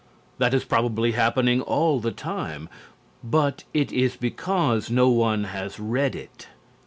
That is probably happening all the time. But it is because no one has read it.